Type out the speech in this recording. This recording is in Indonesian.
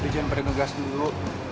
jenperin gas dulu